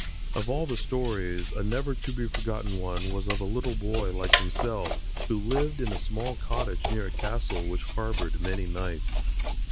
Of all the stories a never to be forgotten one was of a little boy like himself who lived in a small cottage near a castle which harbored many knights.